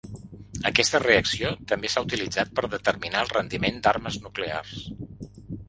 Aquesta reacció també s'ha utilitzat per determinar el rendiment d'armes nuclears.